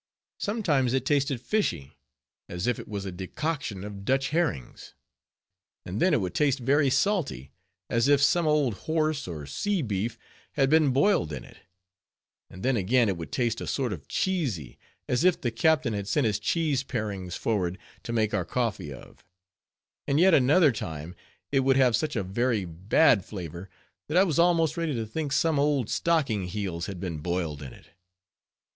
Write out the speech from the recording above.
Sometimes it tasted fishy, as if it was a decoction of Dutch herrings; and then it would taste very salty, as if some old horse, or sea beef, had been boiled in it; and then again it would taste a sort of cheesy, as if the captain had sent his cheese parings forward to make our coffee of; and yet another time it would have such a very bad flavor, that I was almost ready to think some old stocking heels had been boiled in it.